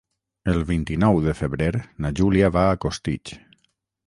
El vint-i-nou de febrer na Júlia va a Costitx.